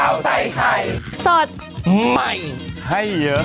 สวัสดีค่ะ